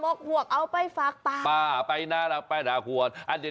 หอมกฮวกเอาไปฝากป้าป๊ายน้ารักไปน้าคน